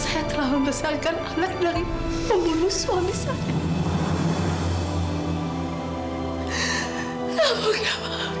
saya telah membesarkan anak dari pembunuh suami saya